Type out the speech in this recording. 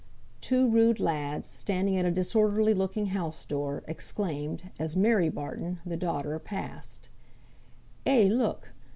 Two rude lads, standing at a disorderly looking house door, exclaimed, as Mary Barton (the daughter) passed, "Eh, look!